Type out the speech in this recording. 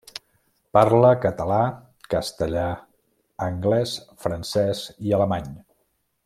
Parla català, castellà, anglès, francès i alemany.